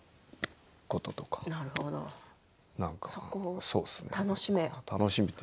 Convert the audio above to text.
そこを楽しめと。